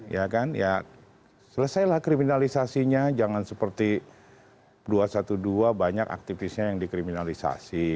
ya kan ya selesailah kriminalisasinya jangan seperti dua ratus dua belas banyak aktivisnya yang dikriminalisasi